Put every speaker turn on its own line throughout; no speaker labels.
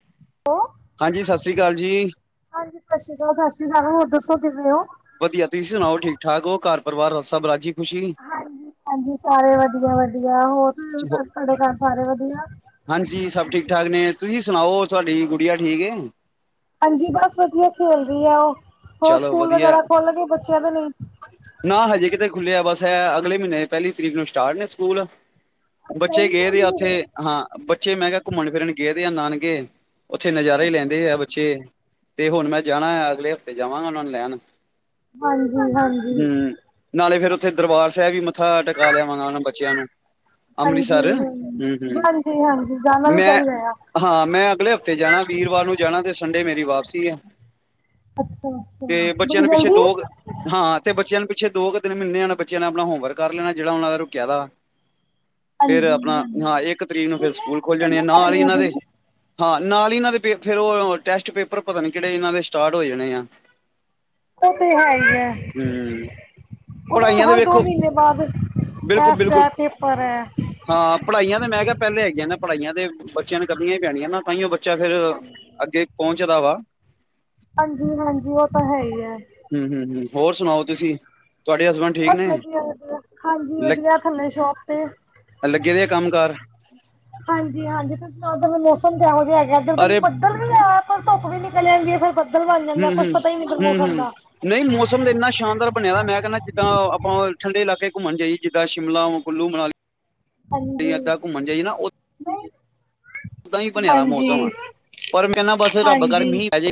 [unintelligible]
ਹਾਂਜੀ, ਸਤਿ ਸ਼੍ਰੀ ਅਕਾਲ ਜੀ।
ਹਾਂਜੀ ਸਤਿ ਸ਼੍ਰੀ ਅਕਾਲ, ਸਬ ਠੀਕ ਹੈ, ਹੋਰ ਦੱਸੋ ਕਿਵੇਂ ਹੋ।
ਵਧੀਆ, ਤੁਸੀਂ ਸੁਣਾਓ ਠੀਕ ਠਾਕ ਹੋ, ਘਰ ਪਰਿਵਾਰ ਹ ਸਭ ਰਾਜੀ ਖੁਸ਼ੀ।
ਹਾਂਜੀ ਹਾਂਜੀ ਸਾਰੇ ਵਧੀਆ ਵਧੀਆ, ਹੋਰ ਤੁਸੀ ਦੱਸੋ ਤੁਹਾਡੇ ਘਰ ਸਾਰੇ ਵਧੀਆ।
ਹਾਂਜੀ ਸਭ ਠੀਕ ਠਾਕ ਨੇ, ਤੁਸੀਂ ਸੁਣਾਓ ਤੁਹਾਡੀ ਗੁੜੀਆ ਠੀਕ ਏ।
ਹਾਂਜੀ ਬਸ ਵਧੀਆ ਖੇਲ ਰਹਿਆਂ ਔ, ਹੋਰ
ਚਲੋ
ਸਕੂਲ
ਵਧੀਆ
ਵਗੈਰਾ ਖੁਲ ਗਏ ਬੱਚਿਆਂ ਦੇ ਨਹੀ।
ਨਾ ਹਜੇ ਕਿਤੇ ਖੁੱਲਿਆ, ਬਸ ਐ, ਅਗਲੇ ਮਹੀਨੇ ਪਹਿਲੀ ਤਰੀਕ ਨੂੰ ਸਟਾਰਟ ਨੇ ਸਕੂਲ।
ਅੱਛਾ
ਬੱਚੇ
ਇੰਨੀ
ਗਏ ਦੇ ਆ,
ਜਲਦੀ ਹੈਗੇ
ਉੱਥੇ ਹਾਂ, ਬੱਚੇ ਮੈਂ ਕਿਹਾ ਘੁੰਮਣ ਫਿਰਨ ਗਏ ਦੇ ਐ ਨਾਨਕੇ, ਉੱਥੇ ਨਜ਼ਾਰਾ ਹੀ
ਅੱਛਾ
ਲੈਂਦੇ ਐ
ਅੱਛਾ
ਬੱਚੇ। ਤੇ ਹੁਣ ਮੈਂ ਜਾਣਾ ਐ, ਅਗਲੇ ਹਫ਼ਤੇ ਜਾਵਾਂਗਾ ਉਹਨਾਂ ਨੂੰ ਲੈਣ।
ਹਾਂਜੀ ਹਾਂਜੀ
ਹਮ ਨਾਲੇ ਫਿਰ ਉੱਥੇ ਦਰਬਾਰ ਸਾਹਿਬ ਵੀ ਮੱਥਾ ਟਕਾ ਲਿਆਵਾ ਗਾ ਨਾ ਬੱਚਿਆਂ ਨੂੰ। ਅੰਮ੍ਰਿਤਸਰ
ਹਾਂਜੀ
ਹਮ
ਹਾਂ,
ਹਮ
ਹਾਂਜੀ ਹਾਂਜੀ ਜਾਣਾ ਵੀ
ਮੈਂ
ਚਾਹੀਦਾ ਆ।
ਹਾਂ, ਮੈਂ ਅਗਲੇ ਹਫ਼ਤੇ ਜਾਣਾ, ਵੀਰਵਾਰ ਨੂੰ ਜਾਣਾ ਤੇ ਸੰਡੇ ਮੇਰੀ ਵਾਪਸੀ ਆ।
ਅੱਛਾ ਅੱਛਾ, ਬੜੀ
ਨੂੰ ਪਿੱਛੇ
ਜਲਦੀ
ਦੋ ਹਾਂ, ਤੇ ਬੱਚਿਆਂ ਨੂੰ ਪਿੱਛੇ ਦੋ ਕੁ ਦਿਨ ਮਿਲਣੇ ਆਂ, ਬੱਚਿਆਂ ਨੇ ਆਪਣਾ ਹੋਮਵਰਕ ਕਰ ਲੈਣਾ, ਜਿਹੜਾ ਉਹਨਾਂ ਦਾ ਰੁਕਿਆ ਦਾ। ਫਿਰ
ਹਾਂਜੀ
ਆਪਣਾ ਹਾਂ
ਹਾਂਜੀ।
ਇੱਕ ਤਰੀਕ ਨੂੰ ਫਿਰ
ਛੁੱਟੀਆਂ
ਸਕੂਲ ਖੋਲ ਜਾਣੇ ਆ
ਜਲਦੀ ਪੈ
ਨਾਲ ਇਆ,
ਗਈਆਂ
ਇਹਨਾਂ
ਸੀ
ਦੇ ਹਾਂ ਨਾਲ ਹੀ ਇਹਨਾਂ ਦੇ ਪੇ ਫੇਰ ਉਹ ਟੈਸਟ ਪੇਪਰ, ਪਤਾ ਨੀ ਕਿਹੜੇ ਇਹਨਾਂ ਦੇ ਸਟਾਰਟ ਹੋਯੇ ਐ। ਨੇ ਆ
ਉਹ ਤੇ ਹੈ ਹੀ ਐ।
ਹੂੰ
ਉਹਦੇ ਵੀ
ਪੜ੍ਹਾਈਆਂ ਦੇ
ਹਰ ਦੋ
ਵੇਖੋ
ਮਹੀਨੇ ਬਾਅਦ,
ਬਿਲਕੁਲ
ਟੈਸਟ ਐ
ਬਿਲਕੁਲ
ਪੇਪਰ ਐ।
ਹਾਂ ਪੜ੍ਹਾਈਆਂ ਤੇ ਮੈਂ ਕਿਹਾ ਪਹਿਲੇ ਹੈਗੀਆਂ ਨੇ, ਪੜ੍ਹਾਈਆਂ ਤੇ ਬੱਚਿਆਂ ਨੂੰ ਕਰਨੀਆ ਹੀ ਪੈਣੀਆਂ ਨਾ ਤਾਹੀਓ ਬੱਚੇ ਅੱਛਾ ਫਿਰ ਅੱਗੇ ਪਹੁੰਚਦਾ ਵਾ।
ਹਾਂਜੀ ਹਾਂਜੀ, ਉਹ ਤਾਂ ਹੈ ਹੀ ਐ।
ਹੂ ਹੂ ਹੂ, ਹੋਰ ਸੁਣਾਓ ਤੁਸੀਂ। ਤੁਹਾਡੇ ਹਸਬੈਂਡ ਠੀਕ ਨੇ
ਬਤ ਵਧੀਆ ਵਧੀਆ, ਹਾਂਜੀ ਵਧੀਆ ਥੱਲੇ ਸ਼ੋਪ ਤੇ।
ਐ ਲੱਗੇ ਦੇ ਆ ਕੰਮ ਕਾਰ
ਹਾਂਜੀ ਹਾਂਜੀ ਤੁਸੀਂ ਸੁਣਾਓ ਉਦਰ ਦਾ ਮੌਸਮ ਕਿਹੋ ਜਿਹਾ ਹੈਗਾ, ਐਦਰ ਤਾ
ਅਰੇ
ਬੱਦਲ ਵੀ ਆ, ਪਰ ਧੁੱਪ ਵੀ ਨਿਕਲ ਜਾਂਦੀ, ਫਿਰ ਬੱਦਲ ਬਣ ਜਾਂਦਾ,
ਹੂੰ, ਹੂੰ,
ਕੁੱਛ ਪਤਾ ਹੀ ਨੀ
ਹੂੰ,
ਮੋਸਮ
ਹੂੰ
ਦਾ।
ਨਹੀਂ ਮੌਸਮ ਇੰਨਾ ਸ਼ਾਨਦਾਰ ਬਣਿਆ ਹੋਇਆ, ਮੈਂ ਕਹਿੰਦਾ ਜਿੱਦਾਂ ਆਪਾਂ ਠੰਡੇ ਇਲਾਕੇ ਘੁੰਮਣ ਜਾਈਏ ਜਿੱਦਾਂ ਸ਼ਿਮਲਾ ਕੁੱਲੂ ਮਨਾਲੀ
ਹਾਂਜੀ
ਏਦਾਂ ਘੁੰਮਣ ਜਾਈਏ ਨਾ ਓਦਾਂ ਵੀ ਬਣਿਆ ਦਾ
ਹਾਂਜੀ
ਮੌਸਮ, ਪਰ ਮੈਂ ਨਾ ਬਸ ਰੱਬ ਕਰ
ਹਾਂਜੀ
ਮੀਂਹ ਪੈਜੇ।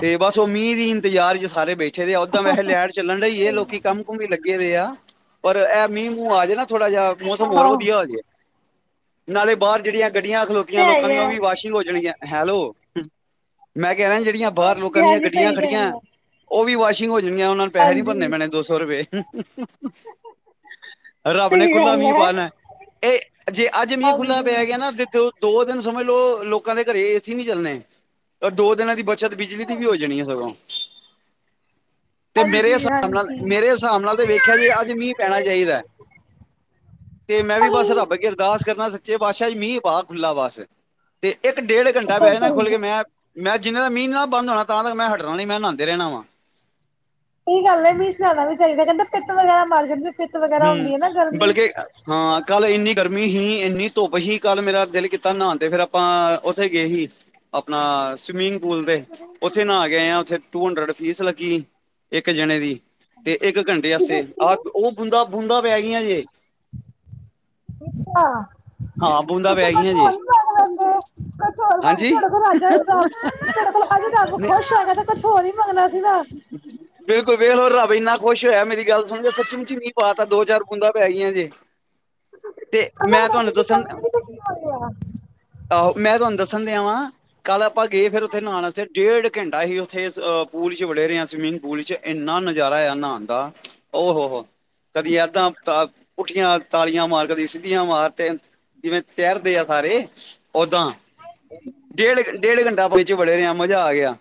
ਤੇ ਬਸ ਉਹ ਮੀਂਹ ਦੀ ਇੰਤਜ਼ਾਰ ਚ ਸਾਰੇ ਬੈਠੇ ਦੇ ਓਦਾਂ ਵੈਸੇ ਲਾਈਟ ਚੱਲਣ ਡਈ ਏ, ਇਹ ਲੋਕੀ ਕੰਮ ਓ ਵੀ ਲੱਗੇ ਦਾ ਆ, ਪਰ ਇਹ ਮੀਂਹ ਮੂੰਹ ਆ ਜੇ ਨਾ ਥੋੜਾ ਜਿਹਾ ਮੌਸਮ ਹੋਰ
ਹਾਂ
ਵਧੀਆ ਹੋ ਜੇ। ਨਾਲੇ ਬਾਹਰ ਜਿਹੜੀਆਂ ਗੱਡੀਆਂ ਖਲੋਤੀਆਂ
ਇਹ ਹੈ ਹੀ
ਲੋਕਾਂ
ਹੈ
ਦੀਆਂ ਉਹ ਵੀ ਵਾਸ਼ਿੰਗ ਹੋ ਜਾਣਗੀਆਂ, ਹੈਲੋ? ਮੈਂ ਕਹਿ ਰਿਹਾ ਜਿਹੜੀਆਂ ਬਾਹਰ
ਹਾਂਜੀ
ਲੋਕਾਂ ਦੀਆਂ
ਹਾਂਜੀ
ਗੱਡੀਆਂ
ਸਹੀ ਕਹਿ ਰਹੇ
ਖੜੀਆਂ,
ਹੋ
ਉਹ ਵੀ ਵਾਸ਼ਿੰਗ ਹੋ ਜਾਣੀਆਂ। ਉਹ ਨੂੰ ਪੈਸੇ ਨੀ ਭੰਨੇ
ਹਾਂਜੀ
ਪੈਣੇ ਦੋ ਸੌ ਰੁਪਏ। ਰੱਬ ਨੇ
ਸਹੀ
ਖੁੱਲਾ
ਗੱਲ
ਮੀਂਹ
ਹੈ
ਪਾ ਦੇਣਾ, ਇਹ ਜੇ ਅੱਜ ਮੀਂਹ ਖੁੱਲਾ
ਹਾਂਜੀ
ਕਹਿੰਦਾ ਦ ਦੋ ਦਿਨ ਸਮਝ ਲਓ ਲੋਕਾਂ ਦੇ ਘਰੇ ਏ ਸੀ ਨਹੀਂ ਚੱਲਣੇ, ਦੋ ਦਿਨਾਂ 'ਚ ਬੱਚਤ ਬਿਜਲੀ ਦੀ ਵੀ ਹੋ ਜਾਣੀ ਐ, ਸਗੋਂ। ਤੇ ਮੇਰੇ
ਹਾਂਜੀ
ਹਿਸਾਬ ਨਾਲ
ਹਾਂਜੀ
ਮੇਰੇ ਹਿਸਾਬ ਨਾਲ ਤੇ ਵੇਖਿਆ ਜੇ, ਅੱਜ ਮੀਂਹ ਪੈਣਾ ਚਾਹੀਦਾ। ਤੇ ਮੈਂ ਵੀ ਬੱਸ
ਨਹੀਂ
ਰੱਬ ਅੱਗੇ ਅਰਦਾਸ ਕਰਨਾ, ਸੱ ਚੇ ਪਾਤਸ਼ਾਹ ਜੀ, ਮੀਂਹ ਪਾ ਖੁੱਲਾ ਬਸ ਤੇ ਇੱਕ ਡੇਢ ਘੰਟਾ ਪੈ ਨਾ ਖੁੱਲ ਕੇ, ਮੈਂ ਮੈਂ ਜਿੰਨੇ ਦਾ ਮੀਂਹ ਨਾਲ ਬੰਦ ਹੋਣਾ, ਤਾਂ ਮੈਂ ਹਟਣਾ ਨਹੀਂ ਮੈਂ ਨਾਉਦੇ ਰਹਿਣਾ ਵਾਂ।
ਸਹੀ ਗੱਲ ਹੈ, ਮੀਂਹ ਨਾਣਾ ਵੀ ਚਾਹੀਦਾ, ਕਹਿੰਦੇ ਪਿੱਤ ਵਗੈਰਾ ਮਰ ਜਾਂਦੀ ਵੀ, ਪਿੱਤ ਵਗੈਰਾ ਹੁੰਦੀ ਐ ਨਾ
ਹੂੰ
ਗਰਮੀ
ਬਲਕਿ ਹਾਂ, ਕੱਲ ਇੰਨੀ ਗਰਮੀ ਹੀ, ਇੰਨੀ ਧੁੱਪ ਹੀ, ਕੱਲ ਮੇਰਾ ਦਿਲ ਕੀਤਾ ਨਹਾ ਤੇ ਫਿਰ ਆਪਾਂ ਉੱਥੇ ਗਏ ਹੀ ਆਪਣਾ ਸਵੀਮਿੰਗ ਪੂਲ ਦੇ, ਉੱਥੇ ਨਾਂ ਕੇ ਆਏ ਆ ਉੱਥੇ ਟੂ ਹੰਡਰਡ ਫੀਸ ਲੱਗੀ, ਇੱਕ ਜਣੇ ਦੀ, ਤੇ ਇੱਕ ਘੰਟੇ ਵਾਸਤੇ ਆ ਉਹ ਬੂੰਦਾ ਬੂੰਦਾ ਪੈ ਗਈਆਂ ਜੇ
ਅੱਛਾ
ਹਾਂ ਬੂੰਦਾ
ਤੁਸੀਂ
ਪੈ
ਕੁਛ
ਗਈਆਂ ਜੇ
ਨ ਪਾ ਆਉਂਦੇ ਕੁਛ
ਹਾਂਜੀ
[unintelligible] ਤੁਹਾਡੇ ਕੋਲ ਰੱਬ ਖੁਸ਼ ਹੈਗਾ, ਤੇ ਕੁਛ ਹੋਰ ਨ ਪਾਣਾ ਸੀਗਾ।
ਹੂੰ ਬਿਲਕੁਲ ਵੇਖ ਲਓ ਰੱਬ ਇੰਨਾ ਖੁਸ਼ ਹੋਇਆ, ਮੇਰੀ ਗੱਲ ਸੁਣ ਕੇ ਸੱਚੀ ਮੁੱਚੀ ਮੀਂਹ ਪਾ ਤਾ, ਦੋ ਚਾਰ ਬੂੰਦਾਂ ਪੈ ਗਈਆਂ ਜੇ। ਤੇ ਮੈਂ
ਮੰਗਣਾ
ਤੁਹਾਨੂੰ
ਸੀ ਕੀ
ਦੱਸਣ
ਮੰਗਿਆ
ਆਹੋ ਮੈਂ ਤੁਹਾਨੂੰ ਦੱਸਣ ਡਿਆ ਵਾਂ, ਕੱਲ ਆਪਾਂ ਗਏ ਫਿਰ ਉੱਥੇ ਨਾ ਡੇਢ ਘੰਟਾ ਹੀ ਉੱਥੇ ਅਹ ਪੂਲ ਚ ਵੜੇ ਰਹੇ ਆ, ਸਵਿਮਿੰਗ ਪੂਲ ਚ ਇੰਨਾ ਨਜ਼ਾਰਾ ਆ ਨਾਂਨ ਦਾ ਉਹ ਹੋ ਹੋ ਕਦੀ ਏਦਾਂ ਤਾ ਪੁੱਠੀਆਂ ਤਾਲੀਆਂ ਮਾਰ ਕਦੀ ਸਿੱਧੀਆਂ ਮਾਰ ਤੇ ਜਿਵੇਂ ਤਾਰਦੇ ਆ ਸਾਰੇ ਓਦਾਂ।
ਹਾਂ
ਡੇਢ ਡੇਢ ਘੰਟਾ ਪੂਲ 'ਚ ਬੜੇ ਰਿਹਾ ਮਜ਼ਾ ਆ ਗਿਆ।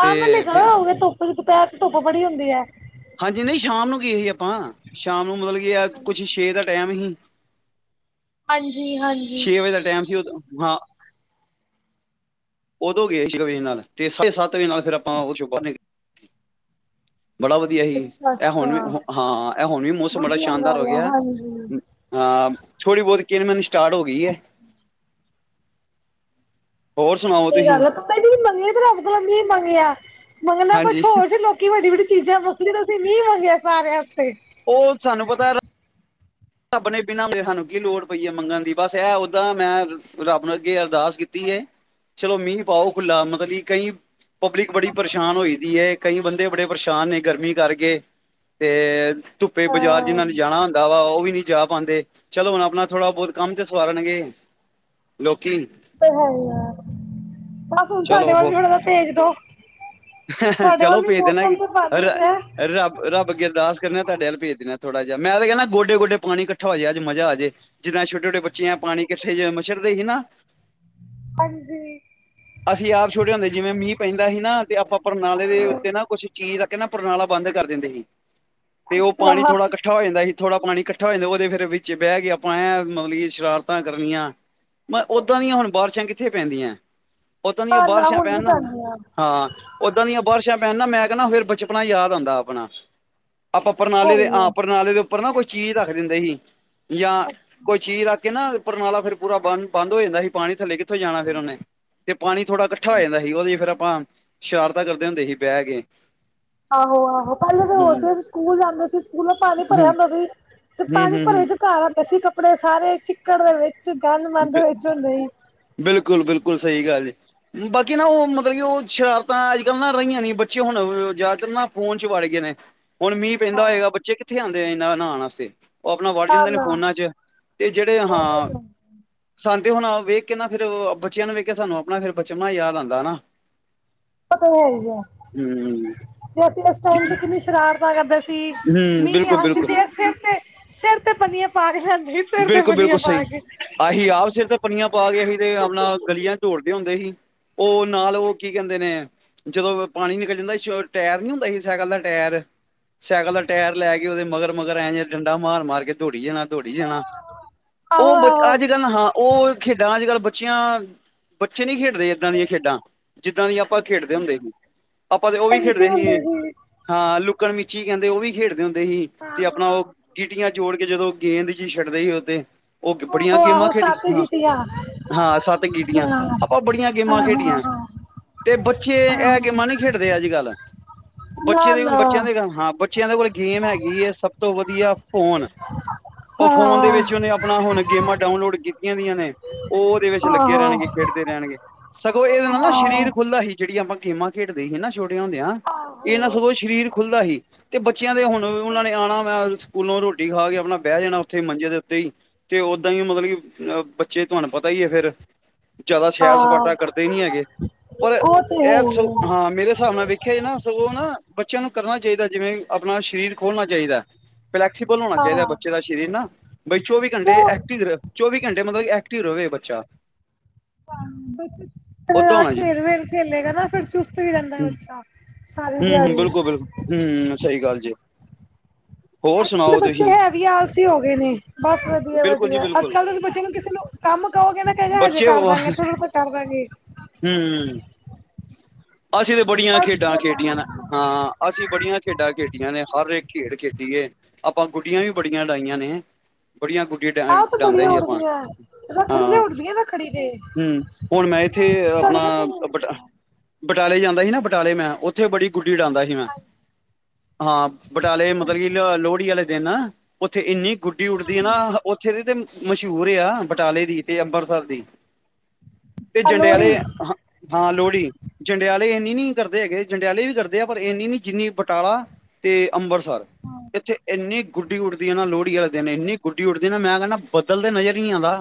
ਕੰਮ ਨਹੀਂ
ਤੇ ਫਿਰ
ਕਰੋ ਧੁੱਪ ਦੁਪਹਿਰ ਚ ਧੁੱਪ ਬੜੀ ਹੁੰਦੀ ਹੈ।
ਹਾਂਜੀ ਨਹੀਂ ਸ਼ਾਮ ਨੂੰ ਗਏ ਹੀ ਆਪਾਂ, ਸ਼ਾਮ ਨੂੰ ਮਤਲਬ ਕਿ ਆ ਕੁਛ ਛੇ ਦਾ ਟਾਈਮ ਹੀ।
ਹਾਂਜੀ ਹਾਂਜੀ।
ਛੇ ਵਜੇ ਦਾ ਟਾਈਮ ਸੀ ਓਦਾ, ਹਾਂ। ਓਦੋਂ ਗਏ ਛੇ ਵਜੇ ਨਾਲ, ਤੇ ਸਾਢੇ ਸੱਤ ਵਜੇ ਨਾਲ ਓਚੋ ਬੰਨ ਕੇ। ਬੜਾ ਵਧੀ ਧੀਆ ਹੀ।
ਅੱਛਾ
ਏਹ
ਅੱਛਾ
ਹੁਣ ਵੀ ਓਹੋਂ-ਅ-ਹਾਂ ਏਹ ਹੁਣ ਵੀ ਮੌਸਮ ਬੜਾ
ਵਧੀਆ
ਸ਼ਾਨਦਾਰ ਹੋ
ਗੱਲ ਹੈ
ਗਿਆ।
ਹਾਂਜੀ
ਹਾਂ ਥੋੜ੍ਹੀ ਬਹੁਤ ਕਿਨ ਮਿਨ ਸਟਾਰਟ ਹੋ ਗਈ ਏ। ਹੋਰ ਸੁਣਾਓ
ਸਹੀ
ਤੁਸੀਂ
ਗੱਲ ਐ, [unintelligible] ਮੰਗਣਾ ਹੀ ਸੀ ਰੱਬ ਕੋਲੋਂ ਮੀਹ ਮੰਗਿਆ। ਮੰਗਣਾ ਕੁਝ
ਹਾਂਜੀ
ਹੋਰ ਸੀ ਬਸ ਕਿ ਵੱਡੀ-ਵੱਡੀ ਚੀਜ਼ਾਂ ਮੰਗਦੇ, ਤੁਸੀਂ ਮੀਹ ਮੰਗਿਆ ਸਾਰਿਆਂ ਆਸਤੇ।
ਉਹ ਸਾ਼ਨੂੰ ਪਤਾ ਐ ਰਤ ਰੱਬ ਨੇ ਬਿਨਾਂ ਕਹੇ ਸਾਨੂੰ ਕੀ ਲੋੜ ਪਈ ਹੈ ਮੰਗਣ ਦੀ ਬਸ ਇਹ ਓਦਾਂ ਮੈਂ ਰੱਬ ਨੂੰ ਅੱਗੇ ਅਰਦਾਸ ਕੀਤੀ ਏ। ਚਲੋ ਮੀਂਹ ਪਾਓ ਖੁੱਲਾ ਮਤਲਬ ਕਿ ਕਈ ਪਬਲਿਕ ਬੜੀ ਪਰੇਸ਼ਾਨ ਹੋਈ ਦੀ ਹੈ। ਕਈ ਬੰਦੇ ਬੜੇ ਪਰੇਸ਼ਾਨ ਨੇ ਗਰਮੀ ਕਰਕੇ, ਤੇ ਧੁੱਪੇ ਬਾਜ਼ਾਰ
ਹਾਂ
ਜਿਨਾਂ ਨੇ ਜਾਣਾ ਵਾ ਉਹ ਵੀ ਨੀਂ ਜਾ ਪਾਉਂਦੇ ਚਲੋ ਹੁਣ ਆਪਣਾ ਥੋੜਾ ਬਹੁਤ ਕੰਮ ਤੇ ਸਵਾਰਨਗੇ ਲੋਕੀ।
ਤੇ ਹੈ ਯਾਰ ਬਸ ਹੁਣ ਸਾਡੇ
ਚਲੋ
ਵੱਲ
ਹੋ
ਵੀ ਥੋੜਾ ਜਿਹਾ ਭੇਜ ਦੋ। ਸਾਡੇ ਵੱਲ ਮੌਸਮ [unintelligible]
ਰੱਬ-ਰੱਬ ਅੱਗੇ ਅਰਦਾਸ ਕਰਨਾ ਤੁਹਾਡੇ ਵੱਲ ਭੇਜ ਦੇਣਾ ਥੋੜਾ ਜਿਹਾ ਮੈਂ ਤਾਂ ਕਹਿੰਦਾ ਗੋਡੇ ਗੋਡੇ। ਪਾਣੀ ਇਕੱਠਾ ਹੋ ਜੇ ਅੱਜ ਮਜ਼ਾ ਆ ਜਾਏ ਜਿੰਨਾ ਛੁੱਟੀ। ਛੋਟੇ ਬੱਚਿਆਂ ਨੇ ਪਾਣੀ ਕਿੱਠੇ ਚ ਮੱਛਰਦੇ ਸੀ ਨਾ।
ਹਾਂਜੀ
ਅਸੀਂ ਆਪ ਛੋਟੇ ਹੁੰਦੇ ਜਿਵੇਂ ਮੀਂਹ ਪੈਂਦਾ ਸੀ ਨਾ ਤੇ ਆਪਾਂ ਪਰਣਾਲੇ ਦੇ ਉੱਤੇ ਨਾ ਕੁਛ। ਚੀਜ ਰੱਖ ਕੇ ਨਾ ਪਰਨਾਲਾ ਬੰਦ ਕਰ ਦਿੰਦੇ ਸੀ ਤੇ ਉਹ
ਅੱਛਾ
ਪਾਣੀ ਥੋੜਾ
ਨਾ
ਇਕੱਠਾ ਹੋ ਜਾਂਦਾ ਸੀ ਥੋੜਾ ਪਾਣੀ ਇਕੱਠਾ। ਤੁਹਾਡੇ ਲੋ ਵਿੱਚ ਬਹਿ ਕੇ ਆਪਾਂ ਐ ਕੇ ਸ਼ਰਾਰਤਾਂ ਕਰਨੀਆਂ। ਮੈਂ ਓਦਾਂ ਦੀਆਂ ਹੁਣ ਬਾਰਿਸ਼ਾਂ ਕਿੱਥੇ ਪੈਂਦੀਐਂ। ਓਦਾਂ ਦੀਆਂ ਬਾਰਿਸ਼ਾਂ
ਹੁਣ
ਪੈਣ
ਨੀ
ਨਾ।
ਪੈਂਦੀ ਆ
ਹਾਂ, ਓਦਾਂ ਦੀਆਂ ਬਾਰਸ਼ਾਂ ਪੈਣ ਨਾ ਮੈਂ ਕੈਂਨਾ ਫੇਰ ਬਚਪਨਾ ਯਾਦ ਆਂਦਾ ਆਪਣਾ। ਆਪਾਂ
ਹੈ
ਪਰਨਾਲੇ ਦੇ
ਹੀ
ਹਾਂ,
ਆ
ਪ੍ਰਣਾਲੇ ਦੇ ਉੱਪਰ ਨਾ ਕੋਈ ਚੀਜ਼ ਰੱਖ ਦਿੰਦੇ ਹੀ, ਯਾਂ ਕੋਈ ਚੀਜ਼ ਰੱਖ ਕੇ ਨਾ ਪਰਨਾਲਾ ਫਿਰ ਪੂਰਾ ਬੰਦ-ਬੰਦ ਹੋ ਜਾਂਦਾ ਹੀ। ਪਾਣੀ ਥੱਲੇ ਕਿੱਥੋਂ ਜਾਣਾ ਫਿਰ ਉਹਨੇ। ਤੇ ਪਾਣੀ ਥੋੜਾ ਕੱਠਾ ਹੋ ਜਾਂਦਾ ਹੀ, ਉਹਦੇ ਫੇਰ ਆਪਾਂ ਸ਼ਰਾਰਤਾਂ ਕਰਦੇ ਹੁੰਦੇ ਹੀ ਬਹਿ ਕੇ।
ਆਹੋ-ਆਹੋ ਪਹਿਲੇ ਤਾਂ
ਹੂੰ
ਹੋਰ ਸੀ, ਅਸੀ ਸਕੂਲ ਜਾਂਦੇ ਸੀ। ਸਕੂਲ ਏ ਪਾਣੀ ਭਰਿਆ
ਹੂੰ
ਹੁੰਦਾ ਸੀ ਤੇ
ਹੂੰ
ਪਾਣੀ
ਹੂੰ
ਭਰੇ
ਹੂੰ
ਚ ਘਰ ਆਂਦੇ ਸੀ ਕੱਪੜੇ ਸਾਰੇ ਚਿੱਕੜ ਦੇ ਵਿੱਚ ਗੰਦ ਮੰਦ ਵਿੱਚ ਹੁੰਦੇ ਹੀ।
ਬਿਲਕੁਲ ਬਿਲਕੁਲ ਸਹੀ ਗੱਲ ਏ। ਬਾਕੀ ਨਾ ਉਹ ਮਤਲਬ ਕਿ ਉਹ ਸ਼ਰਾਰਤਾਂ ਅੱਜ ਕੱਲ੍ਹ ਨਾ ਰਈਆਂ ਨੀ, ਬੱਚੇ ਹੁਣ ਜ਼ਿਆਦਾਤਰ ਨਾ ਫੋਨ ਚ ਵੜ ਗਏ ਨੇ। ਹੁਣ ਮੀਂਹ ਪੈਂਦਾ
ਹਾਂ
ਹੋਏਗਾ, ਬੱਚੇ ਕਿੱਥੇ ਆਂਦੇ ਆ ਇਹਨਾਂ ਨਾਣ ਆਸਤੇ। ਉਹ ਆਪਣਾ ਵੜ
ਨਾ
ਜਾਂਦੇ ਨੇ
ਨਾ
ਫੋਨਾਂ ਚ, ਤੇ ਜਿਹੜੇ
ਉਹ
ਹਾਂ
ਤਾਂ ਹੈ।
ਸਾਨ ਤੇ ਹੁਣ ਵੇਖ ਕੇ ਨਾ ਫ਼ਿਰ ਅ ਬੱਚਿਆਂ ਨੂੰ ਵੇਖ ਕੇ ਸਾਨੂੰ ਆਪਣਾ ਫਿਰ ਬਚਪਣਾ ਯਾਦ ਆਂਦਾ ਨਾ।
ਓਹ ਤਾ ਹੈ ਈ ਐ।
ਹੂੰ,
ਤੇ ਅਸੀਂ ਓਸ ਟਾਈਮ ਤੇ ਕਿੰਨੀ ਸ਼ਰਾਰਤਾ ਕਰਦੇ ਸੀ। ਕੀ
ਹੂੰ
ਮੀਂਹ ਆਣ ਦੀ
ਬਿਲਕੁਲ-ਬਿਲਕੁਲ,
ਦੇਰ, ਸਿਰ ਤੇ ਸਿਰ ਤੇ ਪੰਨੀਆਂ ਪਾ ਕੇ ਜਾਂਦੇ ਹੀ
ਬਿਲਕੁਲ ਬਿਲਕੁਲ ਸਹੀ। ਆਹੀਂ ਆਪ ਸਿਰ ਤੇ ਪੰਨੀਆਂ ਪਾ ਕੇ ਅਹੀਂ ਤੇ ਆਪਣਾ ਗਲੀਆਂ ਚ ਦੋੜਦੇ ਹੁੰਦੇ ਹੀ। ਉਹ ਨਾਲ ਉਹ ਕੀ ਕੈਂਦੇ ਨੇ। ਜਦੋਂ ਪਾਣੀ ਨਿਕਲ ਜਾਂਦਾ ਸੀ, ਛੋ ਟੈਰ ਨੀ ਹੁੰਦਾ ਸੀ ਸੈਕਲ ਦਾ ਟੈਰ। ਸੈਕਲ ਦਾ ਟੈਰ ਲੈ ਕੇ ਉਹਦੇ ਮਗਰ ਮਗਰ ਐਂ ਜਿਵੇਂ ਡੰਡਾ ਮਾਰ ਮਾਰ ਕੇ ਦੌੜੀ ਜਾਣਾ, ਦੌੜੀ ਜਾਣਾ। ਉਹ
ਆਹੋ
ਬਚ
ਆਹੋ
ਅੱਜ ਕੱਲ੍ਹ ਨਾ ਹਾਂ ਉਹ ਖੇਡਾਂ ਅੱਜ ਕੱਲ੍ਹ ਬੱਚਿਆਂ, ਬੱਚੇ ਨੀ ਖੇਡਦੇ ਇੱਦਾਂ ਦੀਆਂ ਖੇਡਾਂ। ਜਿੱਦਾਂ ਦੀਆਂ ਆਪਾਂ ਖੇਡਦੇ ਹੁੰਦੇ ਹੀ। ਆਪਾਂ ਤੇ ਉਹ ਵੀ ਖੇਡਦੇ
ਕੰਚੀ
ਹੀ
ਹੁੰਦੇ ਸੀ
ਹਾਂ ਲੁੱਕਣ ਮਿਚੀ ਕੈਂਦੇ ਉਹ ਵੀ ਖੇਡਦੇ ਹੁੰਦੇ ਹੀ। ਤੇ
ਆਹੋ
ਆਪਣਾ ਉਹ ਗੀਟੀਆਂ ਜੋੜ ਕੇ ਜਦੋਂ ਗੇਂਦ ਜੀ ਸ਼ ਟਦੇ ਹੀ ਉਹ ਤੇ, ਉਹ ਬੜੀਆਂ
ਆਹੋ ਆਹੋ
ਗੇਮਾਂ
ਆਹੋ ਸੱਤ
ਖੇਡੀਆਂ, ਹਾਂ।
ਜੀਤੀਆਂ
ਹਾਂ ਸੱਤ ਗੀਟੀਆਂ,
ਹਾਂ
ਆਪਾਂ ਬੜੀਆਂ ਗੇਮਾਂ
ਆਹੋ
ਖੇਡੀਆਂ।
ਆਹੋ
ਤੇ ਬੱਚੇ ਐਹ
ਆਹੋ
ਗੇਮਾਂ ਨੀ ਖੇਡਦੇ ਅੱਜ ਕੱਲ੍ਹ।
ਨਾ
ਬੱਚੇ ਦੇ ਹੁਨ,
ਨਾ
ਬੱਚਿਆਂ ਦੇ ਗ-ਹਾਂ ਬੱਚਿਆਂ ਦੇ ਕੋਲ ਗੇਮ ਹੈਗੀ ਐ, ਸਭ ਤੋਂ ਵਧੀਆ, ਫੋਨ। ਉਹ
ਹਾਂ
ਫੋਨ ਦੇ ਵਿੱਚ ਉਹਨੇ
ਆਹੋ
ਆਪਣਾ ਹੁਣ ਗੇਮਾਂ ਡਾਊਨਲੋਡ ਕੀਤੀਆਂ ਦੀਆਂ ਨੇ। ਉਹ ਉਹਦੇ ਵਿੱਚ ਲੱਗੇ ਰਹਿਣਗੇ, ਖੇਡਦੇ ਰਹਿਣਗੇ। ਸਗੋਂ ਇਹਦੇ ਨਾਲ ਨਾ ਸ਼ਰੀਰ
ਆਹੋ
ਖੁੱਲ੍ਹਦਾ ਹੀ, ਜਿਹੜੀਆਂ ਆਪਾਂ ਗੇਮਾਂ ਖੇਡਦੇ ਹੀ ਨਾ ਛੋਟੇਆਂ ਹੁੰਦਿਆਂ ਇਹ ਨਾ
ਆਹੋ
ਸਗੋਂ ਸ਼ਰੀਰ ਖੁੱਲਦਾ ਹੀ। ਤੇ ਬੱਚਿਆਂ ਦੇ ਹੁਣ ਉਹਨਾਂ ਨੇ ਆਣਾ ਵੈਂ ਸਕੂਲੋਂ, ਰੋਟੀ ਖਾ ਕੇ ਆਪਣਾ ਬਹਿ ਜਾਣਾ ਓ ਥੇ ਮੰਜੇ ਦੇ ਉੱਤੇ ਈ। ਤੇ ਓਦਾਂ ਈ ਮਤਲਬ ਕਿ ਅ ਬੱਚੇ ਤੁਹਾਨੂੰ ਪਤਾ ਈ ਆ ਫੇਰ। ਜ਼ਿਆਦਾ ਸੈਰ ਸਪਾਟਾ
ਹਾਂ
ਕਰਦੇ ਨੀ ਹੈਗੇ, ਪਰ
ਉਹ ਤੇ ਹੈ
ਇਹ
ਹੀ ਹੈ
ਸਗ-ਹਾਂ ਮੇਰੇ ਸਾਬ ਨਾਲ ਵੇ ਖੇ ਨਾ, ਸਗੋਂ ਨਾ ਬੱਚਿਆਂ ਨੂੰ ਕਰਨਾ ਚਈਦਾ ਜਿਵੇਂ ਆਪਣਾ ਸ਼ਰੀਰ ਖੋਲ੍ਹਣਾ ਚਈਦੈ। ਫਲੈਕਸੀਬਲ ਹੋਣਾ ਚਾਹੀਦਾ
ਹਾਂ
ਬੱਚੇ ਦਾ ਸਰੀਰ ਨਾ ਬਈ ਚੌਵੀ ਘੰਟੇ
ਉਹ
ਐਕਟਿਵ ਚੌਵੀ ਘੰਟੇ ਮਤਲਬ ਫਿਰ ਰੋਵੇ ਬੱਚਾ ਓਦਾਂ ਹੋਣਾ ਜੀ
ਖੇਡ ਵੇਲ ਖੇਲੇਗਾ ਨਾ ਫਰ ਚੁਸਤ ਵੀ ਰਦਾ ਬੱਚਾ ਸਾਰੀ
ਹਮ ਹਮ
ਦਿਹਾੜੀ
ਬਿਲਕੁਲ ਬਿਲਕੁਲ, ਹਮ ਹਮ ਸਹੀ ਗੱਲ ਜੇ।
ਅੱਜ ਕੱਲ ਦੇ ਬੱਚੇ ਹੈ ਵੀ ਆਲਸੀ ਹੋ ਗੇ ਨੇ। ਬਸ ਵਧੀਆ
ਬਿਲਕੁਲ ਜੀ
ਵਧੀਆ। ਅੱਜ
ਬਿਲਕੁਲ
ਕੱਲ ਦੇ ਬੱਚੇ ਨੂੰ ਕਿਸੇ ਨੂੰ ਕੰਮ ਕਹੋਗੇ ਨਾ ਕਹੇਗਾ, ਹਜੇ ਕਰ ਦਾਂਗੇ ਥੋੜਾ-ੜ-ਤ ਕਰ ਦਾਂਗੇ।
ਹਮ। ਅਸੀਂ ਤਾਂ ਬੜੀਆਂ
ਬਸ
ਖੇਡਾਂ
ਗੱਲਾਂ
ਖੇਡੀਆਂ ਨ, ਹਾਂ। ਅਸੀਂ ਬੜੀਆਂ ਖੇਡਾਂ ਖੇਡੀਆਂ ਨੇ, ਹਰ ਇੱਕ ਖੇਡ ਖੇਡੀ ਏ। ਆਪਾਂ ਗੁੱਡੀਆਂ ਵੀ ਬੜੀਆਂ ਡਾਈਆਂ ਨੇ। ਬੜੀਆਂ ਗੁੱਡੀਆਂ
ਆਹ ਤਾਂ
ਡ-ਡਾਂਦੇ
ਬੜੀਆਂ
ਹੀ ਆਪਾਂ,
ਉੱਡਦੀਆਂ ਰੱਖੜੀ ਤੇ
ਹਾਂ।
ਉੱਡਦੀਆਂ ਰੱਖੜੀ ਤੇ
ਹਮ, ਹੁਣ ਮੈਂ ਇੱਥੇ
ਤੁਹਾਡੇ
ਆਪਣਾ
ਕੋਲ ਕਿਵੇਂ
ਬਟ
ਉੱਡਦੀ
ਬਟਾਲੇ ਜਾਂਦਾ ਸੀ ਨਾ ਬਟਾਲੇ ਮੈਂ ਉੱਥੇ ਬੜੀ ਗੁੱਡੀ ਉਡਾਉਂਦਾ ਸੀ ਮੈਂ ਹਾਂ ਬਟਾਲੇ ਮਤਲਬ ਕਿ ਲੋ ਲੋਹੜੀ ਵਾਲੇ ਦਿਨ ਉੱਥੇ ਇੰਨੀ ਗੁੱਡੀ ਉੱਡਦੀ ਹੈ ਨਾ ਓਚੇਰੀ ਤੇ ਮਸ਼ਹੂਰ ਆ ਬਟਾਲੇ ਦੀ ਤੇ ਅੰਬਰਸਰ ਦੀ ਤੇ
ਆ ਲੋਹੜੀ
ਜੰਡੇਆਲੇ ਹ ਹਾਂ ਲੋਹੜੀ ਜੰਡਿਆਲੇ ਇੰਨੀ ਨੀ ਕਰਦੇ ਹੈਗੇ ਜੰਡਿਆਲੇ ਵੀ ਕਰਦੇ ਆ ਪਰ ਇੰਨੀ ਨੀ ਜਿੰਨੀ ਬਟਾਲਾ ਤੇ ਅੰਬਰਸਰ ਇੱਥੇ ਇੰਨੀ ਗੁੱਡੀ ਉਡਦੀ ਆ ਨਾ ਲੋਹੜੀ ਵਾਲੇ ਦਿਨ ਇੰਨੀ ਗੁੱਡੀ ਉੱਡਦੀ ਨਾ ਮੈਂ ਕਹਿੰਦਾ ਬਦਲ ਤੇ ਨਜ਼ਰ ਹੀ ਆਂਦਾ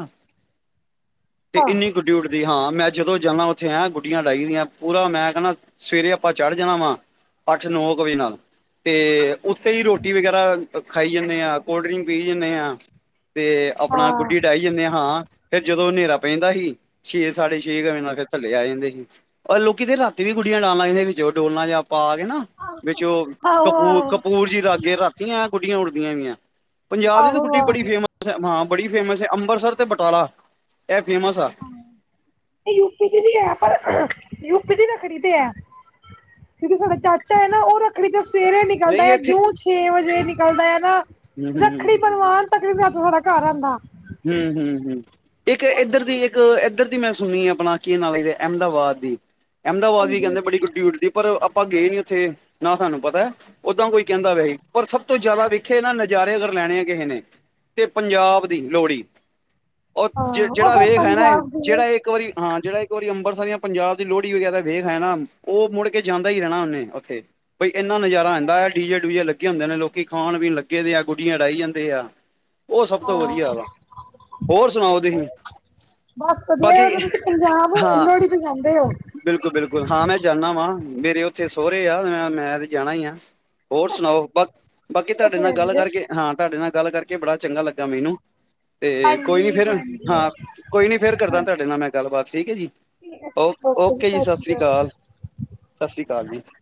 ਤੇ
ਹਾਂ
ਇੰਨੀ ਗੁੱਡੀ ਉੱਡਦੀ ਹਾਂ ਮੈਂ ਜਦੋਂ ਜਾਂਦਾ ਉੱਥੇ ਆ ਗੁੱਡੀਆਂ ਡਾਈਦੀਆਂ ਪੂਰਾ ਮੈਂ ਕਹਿੰਦਾ ਸਵੇਰੇ ਆਪਾਂ ਚੜ ਜਾਣਾ ਵਾ ਅੱਠ ਨੌ ਕੁ ਵਜੇ ਨਾਲ ਅਤੇ ਉੱਥੇ ਹੀ ਰੋਟੀ ਵਗੈਰਾ ਖਾਈ ਜਾਂਦੇ ਆ ਕੋਲਡ ਡਰਿੰਕ ਪੀ ਜਾਂਦੇ ਹਾਂ ਤੇ ਆਪਣਾ
ਹਾਂ
ਗੁੱਡੀ ਡਹੀ ਜਾਂਦੇ ਹ ਹਾਂ ਫਿਰ ਜਦੋਂ ਹਨੇਰਾ ਪੈਂਦਾ ਸੀ ਛੇ ਸਾਢੇ ਛੇ ਕੁ ਬ ਨਾਲ ਫਿਰ ਥੱਲੇ ਆ ਜਾਂਦੇ ਸੀ ਹ ਲੋਕੀ ਤੇ ਰਾਤੀ ਵੀ ਗੁੜੀਆਂ ਡਾਲਣਾ ਇਹਦੇ ਵਿੱਚ ਉਹ ਡੋਲਣਾ ਜਾਂ ਪਾ ਕੇ ਨਾ ਵਿੱਚ ਉਹ
ਆਹੋ
ਕਪ
ਆਹੋ
ਕਪੂਰ ਜੀ ਰਾਗੇ ਰਾਤੀਆਂ ਗੁੱਡੀਆਂ ਉੱਡਦੀਆਂ ਵੀਆਂ ਪੰਜਾਬ ਦੀ ਤਾਂ
ਆਹੋ
ਗੁੱਡੀ ਬੜੀ
ਆਹੋ
ਫੇਮਸ ਹੈ ਹਾਂ ਬੜੀ ਫੇਮਸ ਹੈ ਅੰਮਰਤਸਰ ਤੇ ਬਟਾਲਾ ਇਹ ਫੇਮਸ ਆ
ਯੂਪੀ ਦੀ ਵੀ ਹੈ ਪਰ ਯੂਪੀ ਦੀ ਨਾ ਰੱਖੜੀ ਤੇ ਹੈ ਜਿਹੜੀ ਸਾਡਾ ਚਾਚਾ ਹੈ ਨਾ ਉਹ ਰੱਖੜੀ ਤੋਂ ਸਵੇਰੇ ਨਿਕਲਦਾ
ਨਹੀਂ
ਹੈ ਜਿ
ਇੱਥੇ
ਛੇ ਵਜੇ ਨਿਕਲਦਾ ਹੈ ਨਾ
[unintelligible]
ਬਲਵਾਨ ਤਕ ਸਾਡਾ ਘਰ ਆਉਂਦਾ
ਹਮ ਹਮ ਹਮ ਇੱਕ
ਉੱਥੇ
ਇੱਧਰ ਦੀ ਇੱਕ ਇ ਇੱਧਰ ਦੀ ਮੈਂ ਸੁਣੀ ਆਪਣਾ ਕੀ ਨਜ ਦੇ ਅਹਿਮਦਾਬਾਦ ਦੀ ਅਹਿਮਦਾਬਦ ਵੀ
ਹਾਂਜੀ
ਕਹਿੰਦੇ ਬੜੀ ਗੁੱਡੀ ਉੱਡਦੀ ਪਰ ਆਪਾਂ ਗਏ ਨੀ ਉੱਥੇ ਨਾ ਸਾਨੂੰ ਪਤਾ ਓਦਾਂ ਕੋਈ ਕਹਿੰਦਾ ਪਿਆ ਸੀ ਪਰ ਸਭ ਤੋਂ ਜ਼ਿਆਦਾ ਵੇਖੇ ਨਾ ਨਜ਼ਾਰੇ ਅਗਰ ਲੈਣੇ ਆ ਕਿਸੇ ਨੇ ਤੇ ਪੰਜਾਬ ਦੀ ਲੋਹੜੀ ਉਹ
ਹਾਂ
ਜੇ
ਉਹ
ਜਿਹੜਾ
ਫਿਰ
ਵੇਖ ਹੈ ਨਾ
ਪੰਜਾਬ ਦੀ ਹੈ
ਜਿਹੜਾ ਇੱਕ ਵਾਰੀ ਹਾਂ ਜਿਹੜਾ ਇੱਕ ਵਾਰੀ ਅੰਬਰਸਰ ਜਾਂ ਪੰਜਾਬ ਦੀ ਲੋਹੜੀ ਵਗੈਰਾ ਵੇਖ ਹੈ ਨਾ ਉਹ ਮੁੜ ਕੇ ਜਾਂਦਾ ਹੀ ਰਹਿਣਾ ਉਹਨੇ ਉੱਥੇ ਬਈ ਇੰਨਾ ਨਜ਼ਾਰਾ ਆਉਂਦਾ ਆ ਡੀਜੇ ਡੂਜੇ ਲੱਗੇ ਹੁੰਦੇ ਨੇ ਲੋਕੀ ਖਾਣ ਪੀਣ ਲੱਗੇ ਆ ਗੁੱਡੀਆਂ ਉਡਾਈ ਜਾਂਦੇ ਆ ਉਹ ਸਭ ਤੋਂ
ਹਾਂ
ਵਧੀਆ ਵਾ ਹੋਰ ਸੁਣਾਓ ਤੁਸੀਂ
ਬਸ
ਬਾਕੀ
ਵਧੀਆ ਤੁਸੀਂ ਪੰਜਾਬ
ਹਾਂ
ਲੋਹੜੀ ਤੇ ਜਾਂਦੇ ਹੋ
ਬਿਲਕੁਲ ਬਿਲਕੁਲ ਹਾਂ ਮੈਂ ਜਾਂਦਾ ਵਾ ਮੇਰੇ ਉੱਥੇ ਸੋਹੁਰੇ ਆ ਮੈਂ ਤੇ ਜਾਣਾ ਹੀ ਆ ਹੋਰ ਸੁਣਾਓ ਬਾ ਬਾਕੀ ਤੁਹਾਡੇ ਨਾਲ ਗੱਲ
ਹਾਂਜੀ
ਕਰਕੇ ਹਾਂ ਤੁਹਾਡੇ ਨਾਲ ਗੱਲ ਕਰਕੇ ਬੜਾ ਚੰਗਾ ਲੱਗਾ ਮੈਨੂੰ ਤੇ ਕੋਈ ਨੀ
ਹਾਂਜੀ
ਫਿਰ
ਹਾਂਜੀ
ਹਾਂ ਕੋਈ ਨੀ ਫੇਰ ਕਰਦਾ ਤੁਹਾਡੇ ਨਾਲ ਮੈਂ ਗੱਲਬਾਤ ਠੀਕ ਏ ਜੀ ਓ ਓਕੇ ਜੀ ਸਤਿ ਸ਼੍ਰੀ ਅਕਾਲ ਸਤਿ ਸ਼੍ਰੀ ਅਕਾਲ ਜੀ